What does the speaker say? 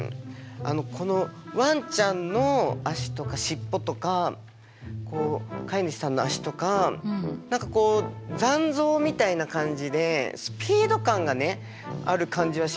このワンちゃんの足とか尻尾とか飼い主さんの足とか何かこう残像みたいな感じでスピード感がねある感じはします。